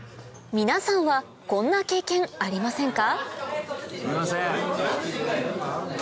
皆さんはこんな経験ありませんか？